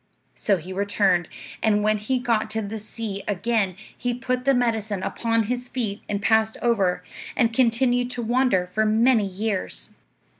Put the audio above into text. So he returned; and when he got to the sea again he put the medicine upon his feet and passed over, and continued to wander for many years.